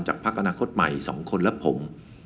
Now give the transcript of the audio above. พักอนาคตใหม่๒คนและผม